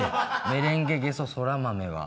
メレンゲゲソそら豆は。